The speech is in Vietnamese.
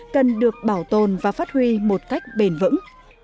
cần được bảo tồn và phát huy một cách bền vững